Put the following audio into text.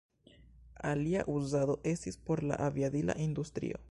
Alia uzado estis por la aviadila industrio.